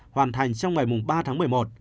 hoàn thành trong ngày ba tháng một mươi một